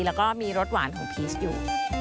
แล้วก็มีรสหวานของพีชอยู่